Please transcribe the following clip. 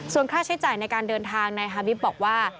ส่วนค่าใช้จ่ายในการเดินทางนายฮาบิฟต์บอกว่า